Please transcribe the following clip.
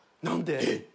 何で？